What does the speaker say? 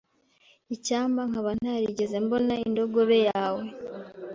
Icyampa nkaba ntarigeze mbona indogobe yawe